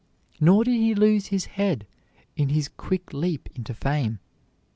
Nor did he lose his head in his quick leap into fame.